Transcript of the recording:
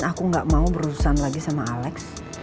aku gak mau berurusan lagi sama alex